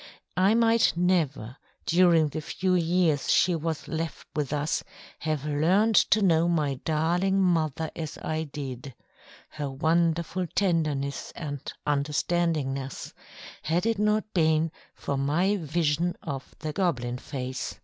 I might never, during the few years she was left with us, have learnt to know my darling mother as I did her wonderful tenderness and "understandingness" had it not been for my vision of the "Goblin Face."